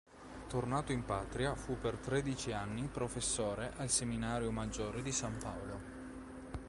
Tornato in patria, fu per tredici anni professore al seminario maggiore di San Paolo.